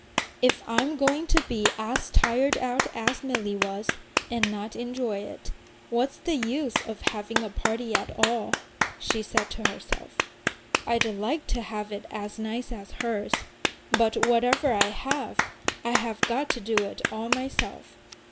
"If I'm going to be as tired out as Milly was, and not enjoy it, what's the use of having a party at all?" she said to herself. "I'd like to have it as nice as hers; but whatever I have, I have got to do it all myself.